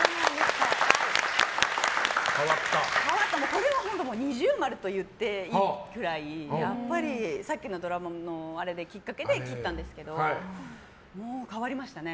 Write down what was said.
これは本当二重丸と言っていいくらいやっぱりさっきのドラマもあれがきっかけで切ったんですけど変わりましたね。